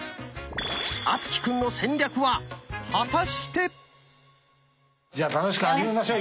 敦貴くんの戦略は果たして⁉じゃあ楽しく始めましょう。